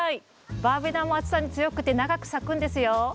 バーベナも暑さに強くて長く咲くんですよ。